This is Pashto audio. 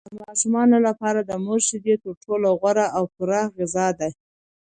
د ماشومانو لپاره د مور شیدې تر ټولو غوره او پوره غذا ده.